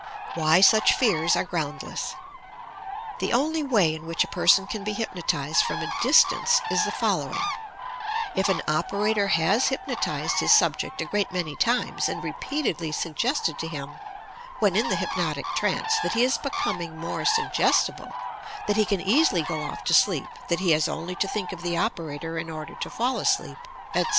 WHY SUCH PEARS A The only way in which a person can be hypnotized from a distance is the following: If an operator has hypnotized his subject a great many times and repeatedly suggested to him, when in the hypnotic trance, that he is becoming more suggestible, that he can easily go off to sleep, that he has only to think of the operator in 30 YOUE PSYCHIC POWERS order to fall asleep, etc.